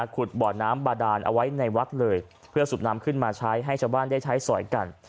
ขุดบ่อน้ำบาดานเอาไว้ในวัดเลยเพื่อสูบน้ำขึ้นมาใช้ให้ชาวบ้านได้ใช้สอยกัน